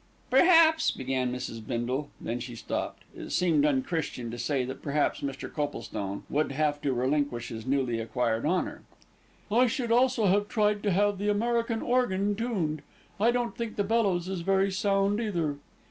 "Perhaps " began Mrs. Bindle, then she stopped. It seemed unchristian to say that perhaps Mr. Coplestone would have to relinquish his newly acquired honour. "I should also have tried to have the American organ tuned, I don't think the bellows is very sound, either."